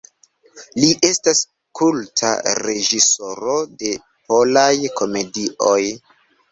Li estas kulta reĝisoro de polaj komedioj.